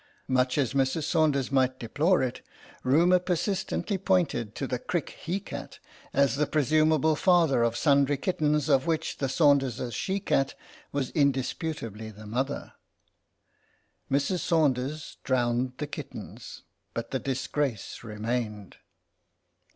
Much as Mrs. Saunders might deplore it, rumour persist ently pointed to the Crick he cat as the presumable father of sundry kittens of which the Saunders she cat was indisputably the mother. Mrs. Saunders drowned the kittens, but the disgrace remained.